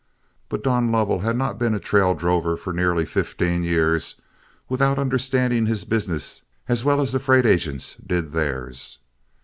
But Don Lovell had not been a trail drover for nearly fifteen years without understanding his business as well as the freight agents did theirs.